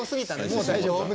もう大丈夫。